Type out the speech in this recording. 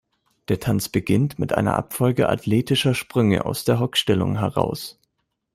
Der Tanz beginnt mit einer Abfolge athletischer Sprünge aus der Hockstellung heraus.